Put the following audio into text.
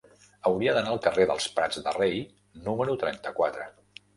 Hauria d'anar al carrer dels Prats de Rei número trenta-quatre.